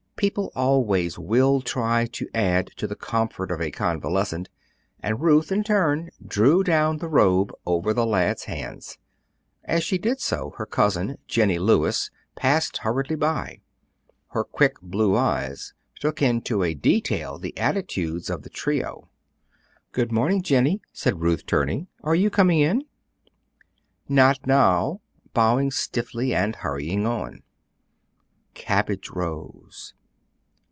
People always will try to add to the comfort of a convalescent, and Ruth, in turn, drew down the robe over the lad's hands. As she did so, her cousin, Jennie Lewis, passed hurriedly by. Her quick blue eyes took in to a detail the attitudes of the trio. "Good morning, Jennie," said Ruth, turning; "are you coming in?" "Not now," bowing stiffly and hurrying on. "Cabbage rose."